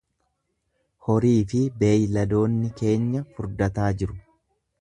Horii fi beeyladoonni keenya furdataa jiru.